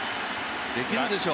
できるでしょ。